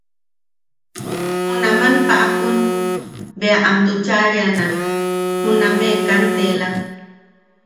Junaman paʼakun bea am tuchaariana juname kanteelam.